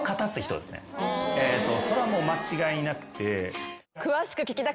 それは間違いなくて。